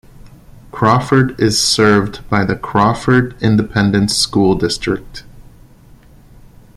Crawford is served by the Crawford Independent School District.